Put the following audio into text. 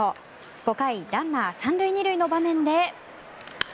５回ランナー３塁２塁の場面で。